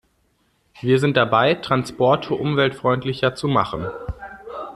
Wir sind dabei, Transporte umweltfreundlicher zu machen.